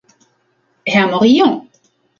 Herr Morillon!